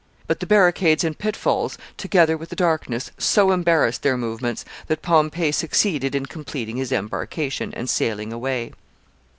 But the barricades and pitfalls, together with the darkness, so embarrassed their movements, that Pompey succeeded in completing his embarkation and sailing away.